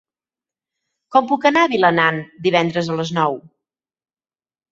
Com puc anar a Vilanant divendres a les nou?